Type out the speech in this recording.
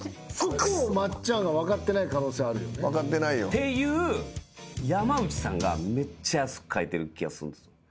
って言う山内さんがめっちゃ安く書いてる気がするんです。